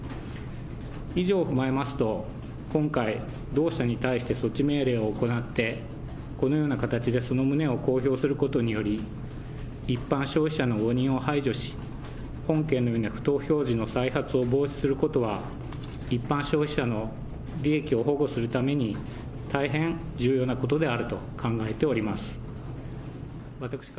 以上を踏まえますと、今回、同社に対して措置命令を行って、このような形でその旨を公表することにより、一般消費者の誤認を排除し、本件のような不当表示の再発を防止することは、一般消費者の利益を保護するために、大変重要なことであると考えております。